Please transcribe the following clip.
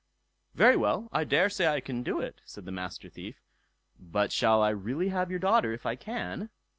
"Very well, I daresay I can do it", said the Master Thief; "but shall I really have your daughter if I can?"